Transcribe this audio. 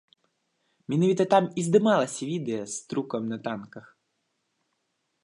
Менавіта там і здымалася відэа з трукам на танках.